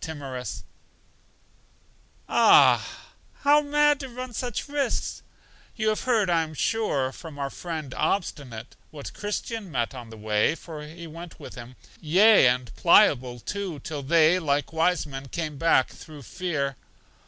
Timorous: Ah, how mad to run such risks! You have heard, I am sure, from our friend Obstinate, what Christian met with on the way, for he went with him; yea, and Pliable, too, till they, like wise men, came back through fear.